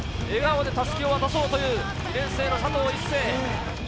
笑顔でたすきを渡そうという２年生の佐藤一世。